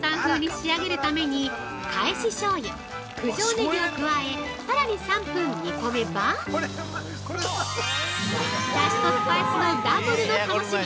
仕上げるためにかえししょうゆ、九条ねぎを加えさらに３分煮込めば出汁とスパイスのダブルの楽しみ。